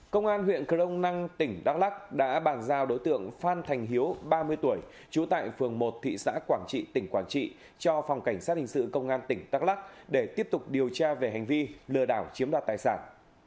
công an huyện crong năng tỉnh đắk lắc đã bàn giao đối tượng phan thành hiếu ba mươi tuổi trú tại phường một thị xã quảng trị tỉnh quảng trị cho phòng cảnh sát hình sự công an tỉnh đắk lắc để tiếp tục điều tra về hành vi lừa đảo chiếm đoạt tài sản